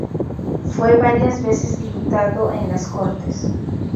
Fue varias veces diputado en las Cortes.